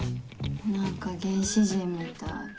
何か原始人みたい。